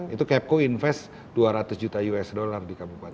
itu capco invest dua ratus juta usd di kabupaten